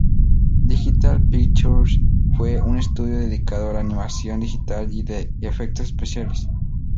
Digital Pictures fue un estudio dedicado a la animación digital y efectos especiales.